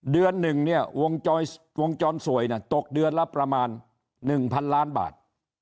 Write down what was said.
เดือนหนึ่งเนี่ยวงจรสวยตกเดือนละประมาณ๑๐๐๐ล้านบาท